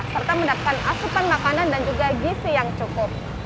serta mendapatkan asupan makanan dan juga gizi yang cukup